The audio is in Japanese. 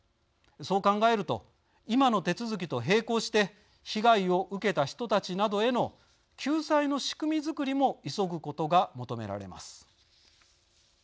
そう考えると今の手続きと並行して被害を受けた人たちなどへの救済の仕組みづくりも急ぐことが求められます。